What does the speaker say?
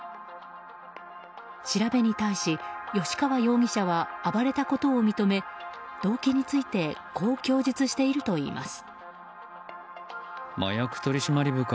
調べに対し、吉川容疑者は暴れたことを認め動機についてこう供述しているといいます。